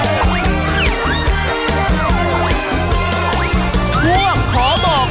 ท่วมขอบอกยกกำลัง๒